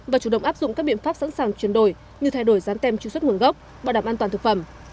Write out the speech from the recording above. và chủ động áp dụng các biện pháp sẵn sàng chuyển đổi như thay đổi rán tem truy xuất nguồn gốc bảo đảm an toàn thực phẩm